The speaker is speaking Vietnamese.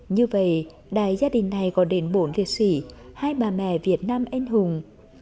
như vậy đài gia đình này có đến bốn liệt sĩ hai bà mẹ việt nam anh hùng